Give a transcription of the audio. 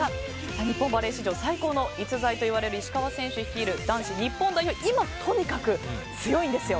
日本バレー史上最高の逸材といわれる石川選手率いる男子日本代表が今、とにかく強いんですよ！